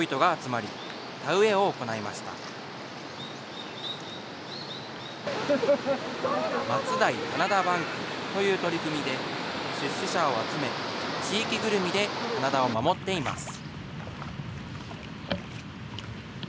まつだい棚田バンクという取り組みで出資者を集め、地域ぐるみで棚田を守っています。